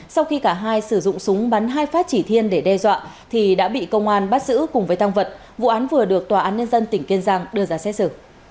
sau khi cả hai sử dụng súng bắn hai phát chỉ thiên để đe dọa thì đã bị công an bắt giữ cùng với tăng vật vụ án vừa được tòa án nhân dân tỉnh kiên giang đưa ra xét xử